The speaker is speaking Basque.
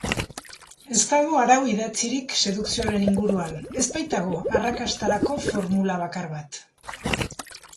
Ez dago arau idatzirik sedukzioaren inguruan, ez baitago arrakastarako formula bakar bat.